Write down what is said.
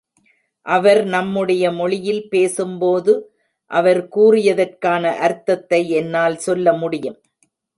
அவர் நம்முடைய மொழியில் பேசும்போது, அவர் கூறியதற்கான அர்த்தத்தை என்னால் சொல்ல முடியும்.